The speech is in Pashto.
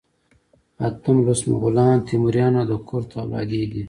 اتم لوست مغولان، تیموریان او د کرت اولادې دي.